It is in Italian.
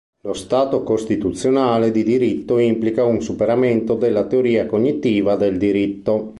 Lo Stato costituzionale di diritto implica un superamento della teoria cognitiva del diritto.